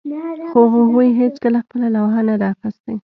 خو هغوی هیڅکله خپله لوحه نه ده اخیستې